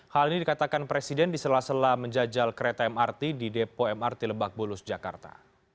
hal ini dikatakan presiden di sela sela menjajal kereta mrt di depo mrt lebak bulus jakarta